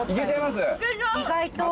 意外と。